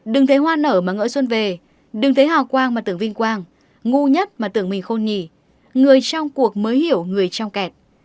đừng thấy hoa nở mà ngỡ xuân về đừng thấy hào quang mà tưởng vinh quang ngu nhất mà tưởng mình khôn nhì người trong cuộc mới hiểu người trong kẹt